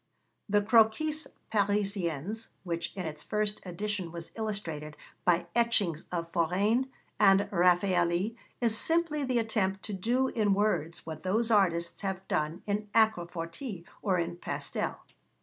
The Croquis Parisiens, which, in its first edition, was illustrated by etchings of Forain and Raffaëlli, is simply the attempt to do in words what those artists have done in aquafortis or in pastel.